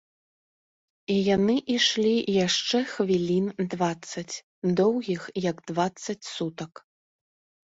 І яны ішлі яшчэ хвілін дваццаць, доўгіх, як дваццаць сутак.